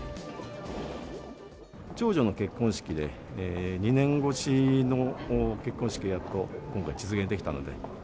長女の結婚式で、２年越しの結婚式をやっと今回、実現できたので。